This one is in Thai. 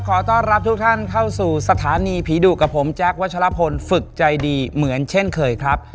ขอต้อนรับทุกท่านเข้าสู่สถานีผีดุกับผมแจ๊ควัชลพลฝึกใจดีเหมือนเช่นเคยครับ